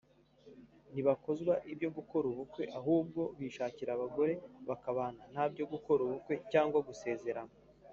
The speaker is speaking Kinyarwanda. ntibakozwa ibyo gukora ubukwe ahubwo bishakira abagore bakabana ntabyo gukora ubukwe cyangwa gusezerana